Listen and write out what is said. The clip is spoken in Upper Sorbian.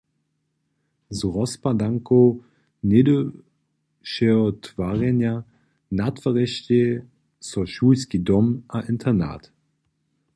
Z rozpadankow něhdyšeho twarjenja natwarištej so šulski dom a internat.